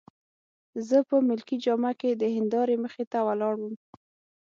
زه په ملکي جامه کي د هندارې مخې ته ولاړ وم.